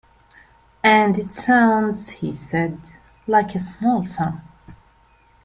"And it sounds" he said, "like a small sum."